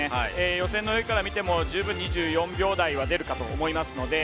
予選の泳ぎから見ても、十分２４秒台は出るかと思いますので。